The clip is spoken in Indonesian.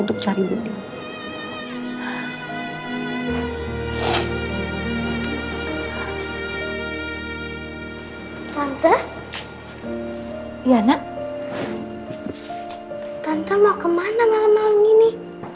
tante mau kemana malam malam ini